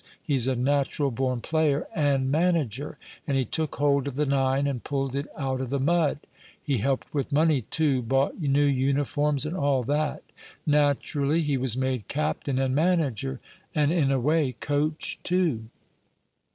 He's a natural born player and manager, and he took hold of the nine and pulled it out of the mud. He helped with money, too, bought new uniforms and all that. Naturally, he was made captain and manager, and, in a way, coach too."